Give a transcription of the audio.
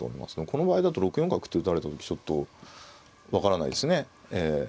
この場合だと６四角って打たれた時ちょっと分からないですね。